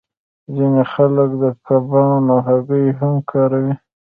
ځینې خلک د کبانو هګۍ هم کاروي